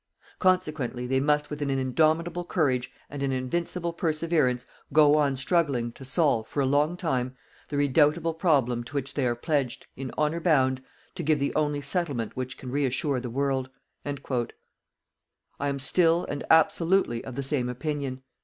Consequently they must with an indomitable courage and an invincible perseverance go on struggling to solve, for a long time, the redoubtable problem to which they are pledged, in honour bound, to give the only settlement which can reassure the world." I am still and absolutely of the same opinion.